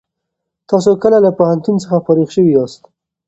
تاسو کله له پوهنتون څخه فارغ شوي یاست؟